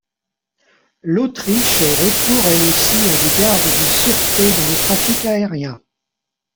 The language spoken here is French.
L'Autriche recourt elle aussi à des gardes de sûreté dans le trafic aérien.